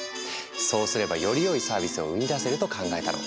そうすればよりよいサービスを生み出せると考えたの。